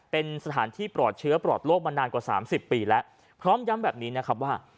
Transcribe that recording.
เป็นสถานที่ปลอดเชื้อปลอดโลกมานานกว่าสามสิบปีแล้วพร้อมย้ำแบบนี้นะครับว่า